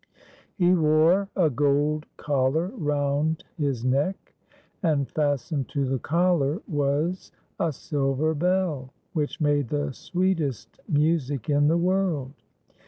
Me wore a gold collar round his neck, and fastened to the collar was a silver bell, which made the sweetest music in the world.